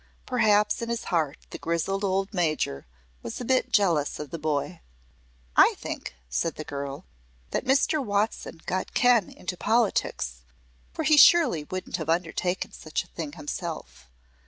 Perhaps in his heart the grizzled old Major was a bit jealous of the boy. "I think," said the girl, "that Mr. Watson got Ken into politics, for he surely wouldn't have undertaken such a thing himself.